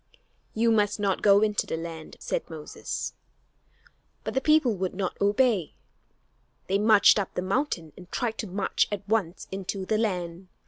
"You must not go into the land," said Moses. But the people would not obey. They marched up the mountain and tried to march at once into the land.